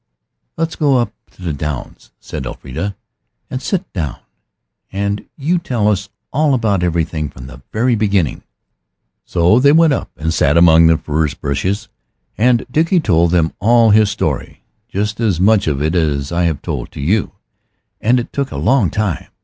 "Let's go up on the downs," said Elfrida, "and sit down, and you tell us all about everything from the very beginning." So they went up and sat among the furze bushes, and Dickie told them all his story just as much of it as I have told to you. And it took a long time.